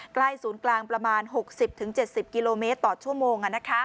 ศูนย์กลางประมาณ๖๐๗๐กิโลเมตรต่อชั่วโมง